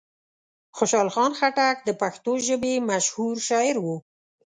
خوشحال خان خټک د پښتو ژبې مشهور شاعر و.